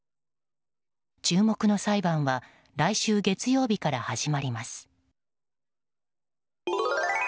注目の裁判は来週月曜日から始まります。